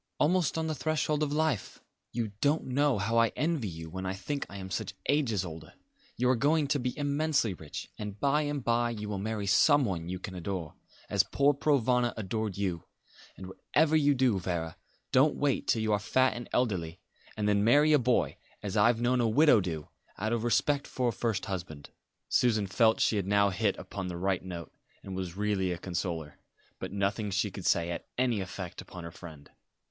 Almost on the threshold of life. You don't know how I envy you when I think I am such ages older. You are going to be immensely rich; and by and by you will marry someone you can adore, as poor Provana adored you: and whatever you do, Vera, don't wait till you are fat and elderly, and then marry a boy, as I've known a widow do out of respect for a first husband." Susan felt that she had now hit upon the right note, and was really a consoler; but nothing she could say had any effect upon her friend.